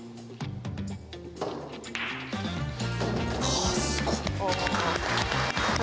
はあすごっ。